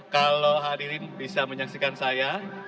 kalau hadirin bisa menyaksikan saya